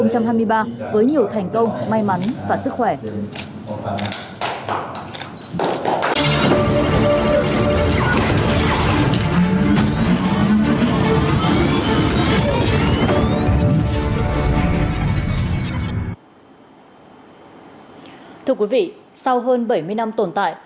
năm hai nghìn hai mươi ba với nhiều thành công may mắn và sức khỏe